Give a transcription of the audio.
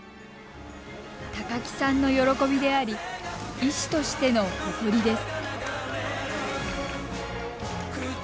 高木さんの喜びであり医師としての誇りです。